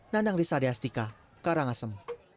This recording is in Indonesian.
nandang risa deastika karangasem